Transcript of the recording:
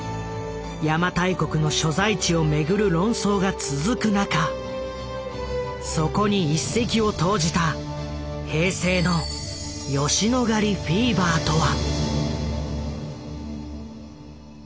邪馬台国の所在地をめぐる論争が続く中そこに一石を投じた平成の「吉野ヶ里フィーバー」とは。